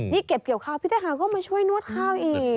นี่เก็บเกี่ยวข้าวพี่ทหารก็มาช่วยนวดข้าวอีก